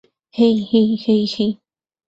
হেই, hey, hey, হেই।